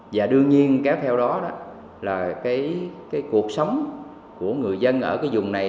và đương nhiên kéo theo đó là cái cuộc sống của người dân ở cái vùng này